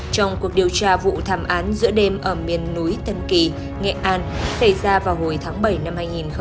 trong cuộc điều tra vụ thảm án giữa đêm ở miền núi tân kỳ nghệ an xảy ra vào hồi tháng bảy năm hai nghìn một mươi chín